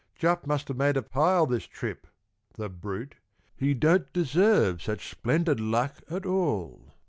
Jupp must have made a pile this trip, the brute, He don't deserve such splendid luck at all.